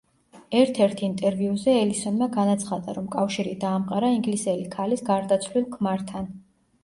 ერთ-ერთ ინტერვიუზე ელისონმა განაცხადა რომ კავშირი დაამყარა ინგლისელი ქალის გარდაცვლილ ქმართან.